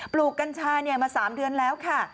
ปลูกกัญชาเนี่ยมา๓เดือนแล้วค่ะ